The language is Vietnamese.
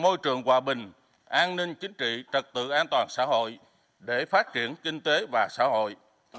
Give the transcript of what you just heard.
môi trường hòa bình an ninh chính trị trật tự an toàn xã hội để phát triển kinh tế và xã hội